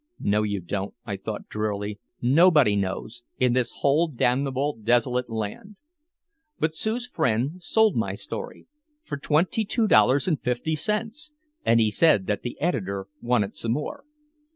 "No, you don't," I thought drearily. "Nobody knows in this whole damnable desolate land." But Sue's friend sold my story for twenty two dollars and fifty cents! And he said that the editor wanted some more!